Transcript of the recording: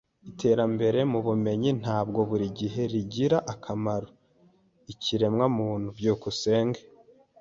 Iterambere mubumenyi ntabwo buri gihe rigirira akamaro ikiremwamuntu. byukusenge